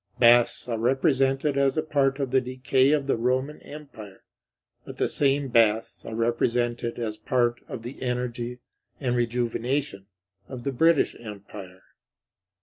Baths are represented as a part of the decay of the Roman Empire; but the same baths are represented as part of the energy and rejuvenation of the British Empire.